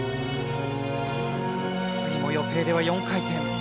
次も予定では４回転。